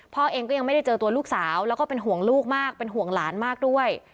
พ่อเองก็ยังไม่ได้เจอตัวลูกสาวแล้วก็เป็นห่วงลูกมากเป็นห่วงหลานมากด้วย